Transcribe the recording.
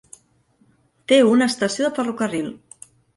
Té una estació de ferrocarril.